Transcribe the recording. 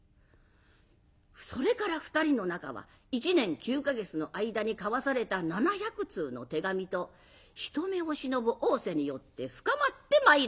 それから２人の仲は１年９か月の間に交わされた７００通の手紙と人目を忍ぶおうせによって深まってまいります。